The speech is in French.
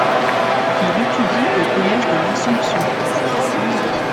Il étudie au collège de l'Assomption.